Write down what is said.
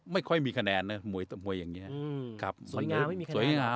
ไม่ค่อยมีคะแนนนะมวยมวยอย่างเงี้ยอืมครับสวยงามไม่มีคะแนน